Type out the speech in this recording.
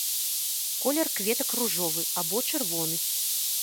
Колер кветак ружовы або чырвоны.